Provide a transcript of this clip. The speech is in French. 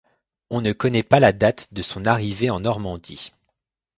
On ne connait pas la date de son arrivée en Normandie.